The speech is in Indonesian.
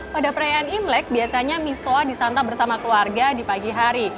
pada perayaan imlek biasanya misoa ⁇ disantap bersama keluarga di pagi hari